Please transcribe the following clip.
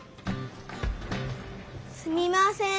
すみません。